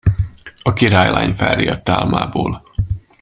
A királylány felriadt álmából.